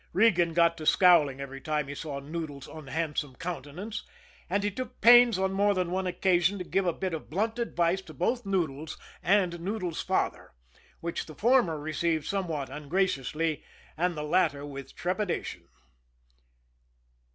Regan got to scowling every time he saw Noodles' unhandsome countenance, and he took pains on more than one occasion to give a bit of blunt advice to both Noodles and Noodles' father which the former received somewhat ungraciously, and the latter with trepidation.